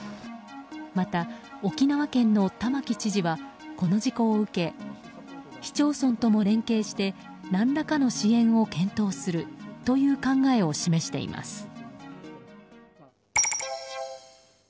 また沖縄県の玉城知事はこの事故を受け市町村とも連携して何らかの支援を検討するという考えを示しています。